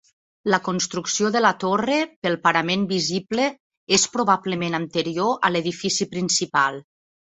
La construcció de la torre, pel parament visible, és probablement anterior a l'edifici principal.